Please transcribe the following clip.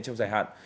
trong dài hạn